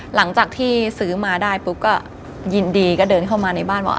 หลังจากที่ซื้อมาได้ปุ๊บก็ยินดีก็เดินเข้ามาในบ้านว่า